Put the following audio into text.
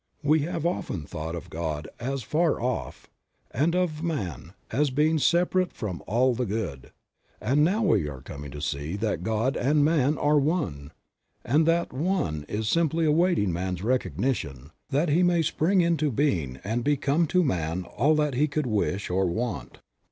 We have often thought of God as far off, and of man as a being separate from the All Good; now we are coming to see that God and man are one, and that that One is simply awaiting man's recognition, that he may spring into being and become to man all that he could wish or want.